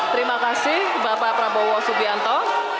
terima kasih bapak prabowo subianto